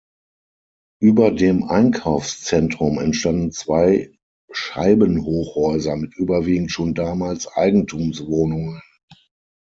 Über dem Einkaufszentrum entstanden zwei Scheiben-Hochhäuser mit überwiegend schon damals Eigentumswohnungen.